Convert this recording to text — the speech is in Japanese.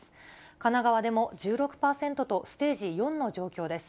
神奈川でも１６％と、ステージ４の状況です。